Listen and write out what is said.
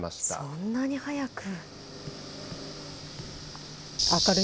そんなに早く。